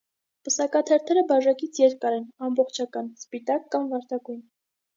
Պսակաթերթերը բաժակից երկար են, ամբողջական, սպիտակ կամ վարդագույն։